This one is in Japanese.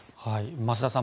増田さん